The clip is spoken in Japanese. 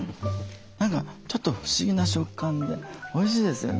何かちょっと不思議な食感でおいしいですよね。